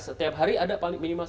setiap hari ada paling minimal